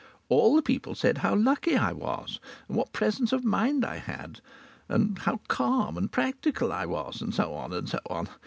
All the people said how lucky I was, and what presence of mind I had, and how calm and practical I was, and so on and so on.